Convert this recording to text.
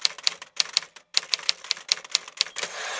สุดท้ายสุดท้ายสุดท้ายสุดท้าย